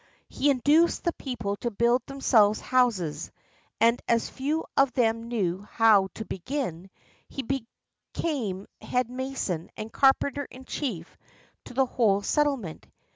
He induced the people to build themselves houses, and as few of them knew how to begin, he became head mason and carpenter in chief to the whole settle ment.